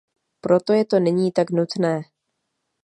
Proto je to nyní tak nutné.